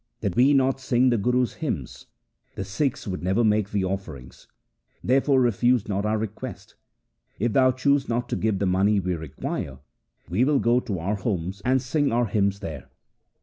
Did we not sing the Guru's hymns, the Sikhs would never make thee offerings. Therefore refuse not our request. If thou choose not to give the money we require, we will go to our homes and sing our hymns there.'